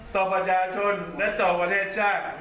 ต่อประชาชนและต่อประเทศชาติ